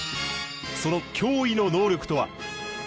その驚異の能力とは？